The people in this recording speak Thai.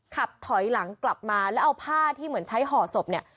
ขับถอยหลังกลับมาแล้วเอาผ้าที่เหมือนใช้ห่อศพเนี่ย